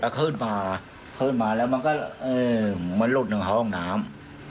ก็ขึ้นมาขึ้นมาแล้วมันก็มันลุดถึงห้องน้ำ